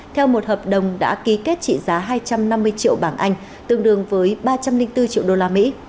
theo một hợp đồng đã ký kết trị giá hai trăm năm mươi triệu bảng anh tương đương với ba trăm linh bốn triệu đô la mỹ